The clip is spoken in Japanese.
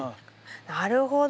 なるほど。